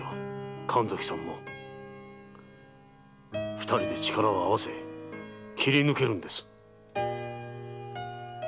二人で力を合わせ切り抜けるのです。